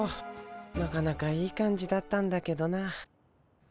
なかなかいい感じだったんだけどな。